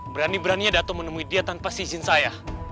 berani beraninya datuk menemui dia tanpa izin saya